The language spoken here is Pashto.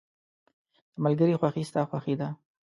• د ملګري خوښي ستا خوښي ده.